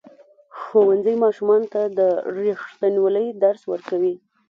ښوونځی ماشومانو ته د ریښتینولۍ درس ورکوي.